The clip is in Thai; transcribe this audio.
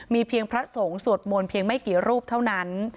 มีเพียงพระสงฆ์สวดโมนไม่กี่รูปเท่านั้น